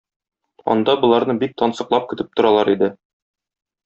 Анда боларны бик тансыклап көтеп торалар иде.